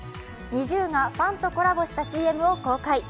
ＮｉｚｉＵがファンとコラボしたＣＭを公開。